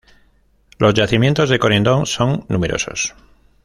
Los yacimientos de corindón son numerosos.